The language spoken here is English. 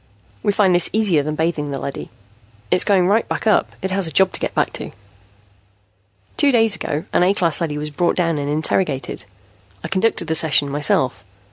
We find this easier than bathing the leady. It is going right back up; it has a job to get back to. "Two days ago, an A class leady was brought down and interrogated. I conducted the session myself.